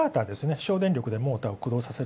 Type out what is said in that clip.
省電力でモーターを駆動させる。